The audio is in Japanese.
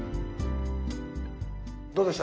どうでした？